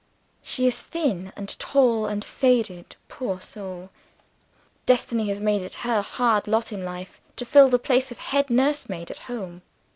She is thin and tall and faded poor soul. Destiny has made it her hard lot in life to fill the place of head nursemaid at home.